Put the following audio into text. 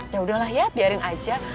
ya udahlah ya biarin aja